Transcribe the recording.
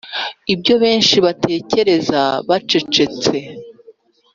ibyo benshi batekereza bacecetse,